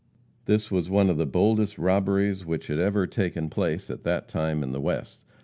This was one of the boldest robberies which had ever taken place at that time in the West.